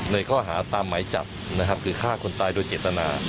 ในข้อหาตามหมายจับนะครับคือฆ่าคนตายโดยเจตนา